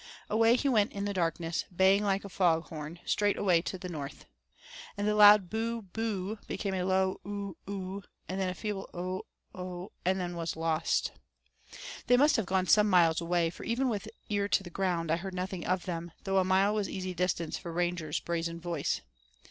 Away he went in the darkness, baying like a foghorn, straight away to the north. And the loud 'Boo, boo,' became a low 'oo, oo,' and that a feeble 'o o' and then was lost. They must have gone some miles away, for even with ear to the ground I heard nothing of them though a mile was easy distance for Ranger's brazen voice.